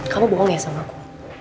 kamu bohong ya sama aku